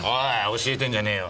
教えてんじゃねえよ。